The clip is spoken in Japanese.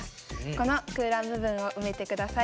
この空欄部分を埋めて下さい。